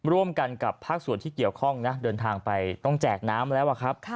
ร่วมกันกับภาคส่วนที่เกี่ยวข้องนะเดินทางไปต้องแจกน้ำแล้วอะครับ